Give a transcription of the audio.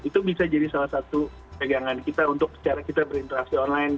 itu bisa jadi salah satu pegangan kita untuk cara kita berinteraksi online